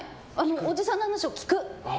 おじさんの話を聞く。